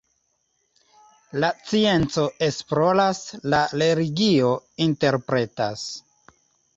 La scienco esploras, la religio interpretas.